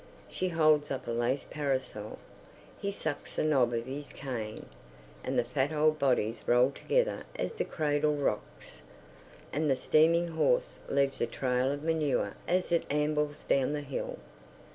She holds up a lace parasol; he sucks the knob of his cane, and the fat old bodies roll together as the cradle rocks, and the steaming horse leaves a trail of manure as it ambles down the hill.